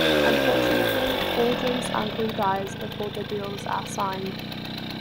Unfortunately, Audrey's uncle dies before the deals are signed.